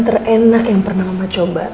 terenak yang pernah mama coba